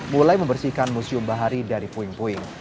mulai membersihkan museum bahari dari puing puing